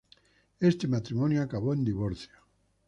Este matrimonio acabó en divorcio.